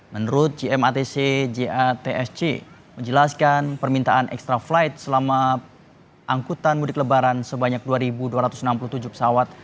menurut cmatc jatsc menjelaskan permintaan extra flight selama angkutan mudik lebaran sebanyak dua dua ratus enam puluh tujuh pesawat